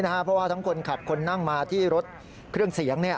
เพราะว่าทั้งคนขับคนนั่งมาที่รถเครื่องเสียง